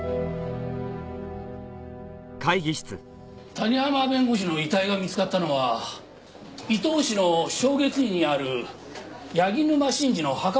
谷浜弁護士の遺体が見つかったのは伊東市の松月院にある柳沼真治の墓の前でした。